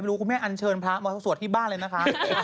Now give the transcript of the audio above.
คุณแม่อันเชิญพระมาสวดที่บ้านเลยนะคะ